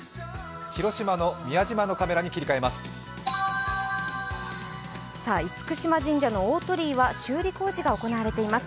広島の宮島のカメラに切り替えます。